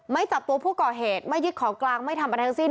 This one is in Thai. จับตัวผู้ก่อเหตุไม่ยึดของกลางไม่ทำอะไรทั้งสิ้น